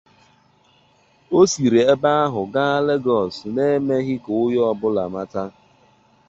o siri ebe ahụ gaa Lagos n’emeghị ka onye ọbụla mata.